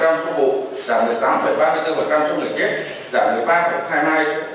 giảm một mươi ba hai mươi hai xuống lệnh thương